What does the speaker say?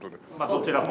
こちらも。